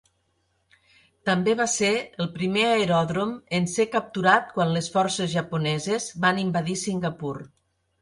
També va ser el primer aeròdrom en ser capturat quan les forces japoneses van invadir Singapur.